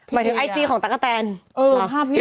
หมายถึงไอดีของตั้งกระแทน